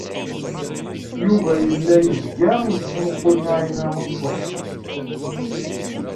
Yuba yella yezga yettmuqul Naɛima u Ḥsen.